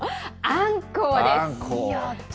あんこうです。